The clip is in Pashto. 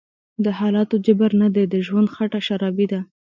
دحالاتو_جبر_نه_دی_د_ژوند_خټه_شرابي_ده